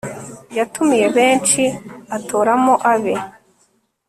yatumiye benshi atoramo abe